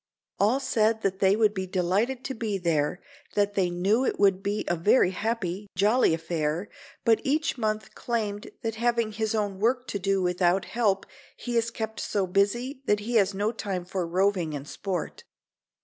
All said that they would be delighted to be there, that they knew that it would be a very happy, jolly affair; but each month claimed that having his own work to do without help he is kept so busy that he has no time for roving and sport.